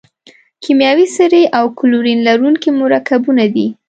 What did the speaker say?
کیمیاوي سرې او کلورین لرونکي مرکبونه دي.